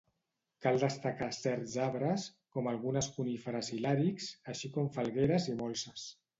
Cal destacar certs arbres, com algunes coníferes i làrix, així com falgueres i molses.